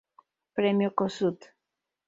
Premio Kossuth.